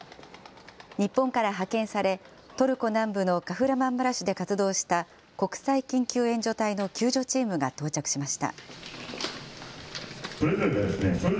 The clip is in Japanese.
日本から派遣され、トルコ南部のカフラマンマラシュで活動した、国際緊急援助隊の救助チームが到着しました。